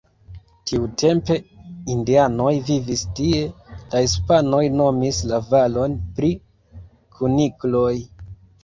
Tiutempe indianoj vivis tie, la hispanoj nomis la valon pri kunikloj.